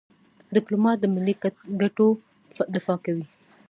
ډيپلومات د ملي ګټو دفاع کوي.